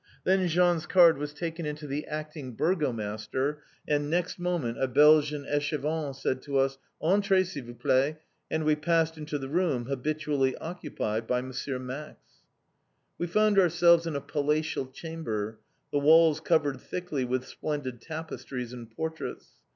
Then Jean's card was taken into the acting Burgomaster, and next moment a Belgian Échevin said to us, "Entrez, s'il vous plaît," and we passed into the room habitually occupied by M. Max. We found ourselves in a palatial chamber, the walls covered thickly with splendid tapestries and portraits.